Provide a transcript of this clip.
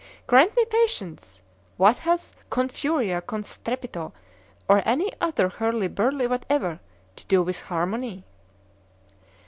—Grant me patience!——What has con furia,——con strepito,——or any other hurly burly whatever to do with harmony?